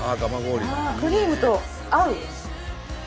クリームと合う。